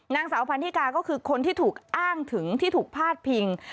นางสาวพันธิกาก็คือคนที่ถูกอ้างถึงที่ถูกพาดพิง